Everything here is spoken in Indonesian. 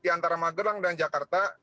di antara magelang dan jakarta